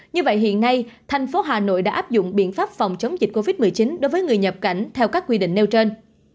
như vậy hiện nay thành phố hà nội đã áp dụng biện pháp phòng chống dịch covid một mươi chín đối với người nhập cảnh theo các quy định nêu trên